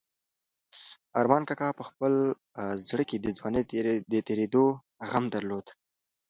ارمان کاکا په خپل زړه کې د ځوانۍ د تېرېدو غم درلود.